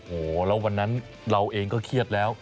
โอ้โหแล้ววันนั้นเราเองก็เครียดแล้ว